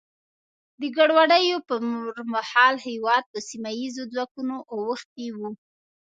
د ګډوډیو پر مهال هېواد په سیمه ییزو ځواکونو اوښتی و.